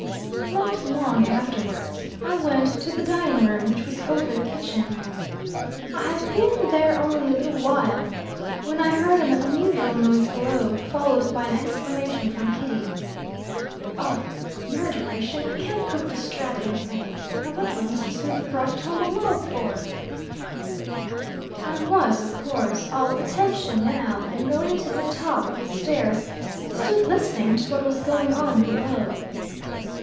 Not long afterwards, I went to the dining room, which was over the kitchen. I had been there only a little while, when I heard an unusual noise below, followed by an exclamation from Kitty "Oh! murderation! I can't cook the straddling thing. I wonder what Mr. Smith brought it home alive for!" I was, of course, all attention now, and going to the top of the stairs, stood listening to what was going on below.